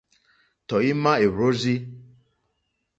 Tɔ̀ímá èhwórzí.